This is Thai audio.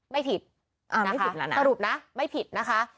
ไม่ผิดสรุปนะไม่ผิดนะคะ